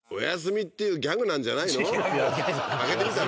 開けてみたら？